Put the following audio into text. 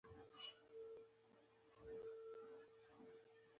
له انځور صاحب څخه رخصت واخیست.